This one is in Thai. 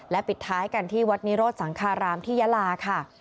ปิดท้ายกันที่วัดนิโรธสังคารามที่ยาลาค่ะ